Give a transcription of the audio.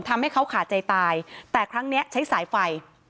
ทำให้เขาขาดใจตายแต่ครั้งนี้ใช้สายไฟ